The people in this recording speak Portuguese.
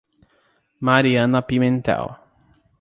Mariana Pimentel